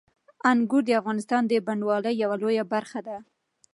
انګور د افغانستان د بڼوالۍ یوه لویه برخه ده.